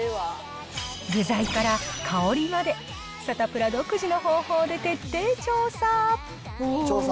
具材から香りまで、サタプラ独自の方法で徹底調査。